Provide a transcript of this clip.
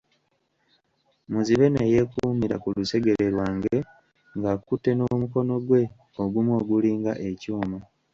Muzibe ne yeekumira ku lusegere lwange ng'ankutte n'omukono gwe ogumu ogulinga ekyuma.